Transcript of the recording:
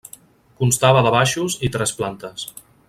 Constava de baixos i tres plantes.